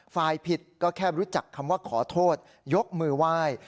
ฝ่ายผิดก็แค่รู้จักคำว่าขอโทษยกมือไหว้